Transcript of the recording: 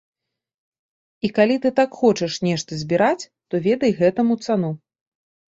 І калі ты так хочаш нешта збіраць, то ведай гэтаму цану.